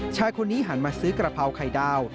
ชายคนนี้หันมาซื้อกระเพราไข่ดาว